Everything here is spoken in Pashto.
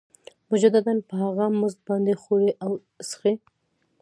مجدداً په هغه مزد باندې خوري او څښي